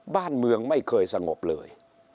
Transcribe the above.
บ้านเมืองไม่เคยสงบเลย